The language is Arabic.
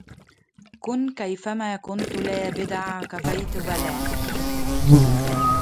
كن كيفما كنت لا بدع كفيت بلا